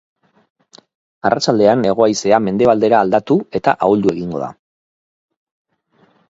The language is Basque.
Arratsaldean hego-haizea mendebaldera aldatu eta ahuldu egingo da.